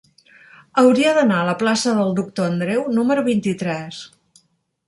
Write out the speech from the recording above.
Hauria d'anar a la plaça del Doctor Andreu número vint-i-tres.